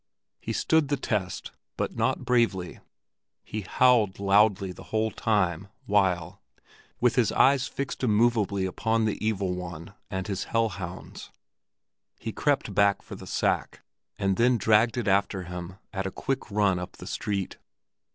He stood the test, but not bravely; he howled loudly the whole time, while, with his eyes fixed immovably upon the Evil One and his hell hounds, he crept back for the sack and then dragged it after him at a quick run up the street.